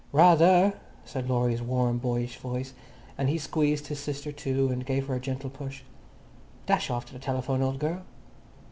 "Ra ther," said Laurie's warm, boyish voice, and he squeezed his sister too, and gave her a gentle push. "Dash off to the telephone, old girl."